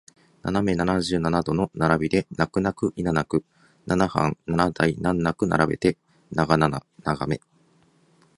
斜め七十七度の並びで泣く泣くいななくナナハン七台難なく並べて長眺め